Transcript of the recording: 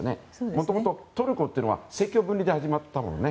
もともとトルコというのは政教分離で始まったもんね。